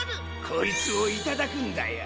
こいつをいただくんだよ。